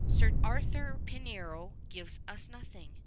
Sir Arthur Pinero gives us nothing.